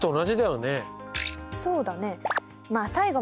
そうだね。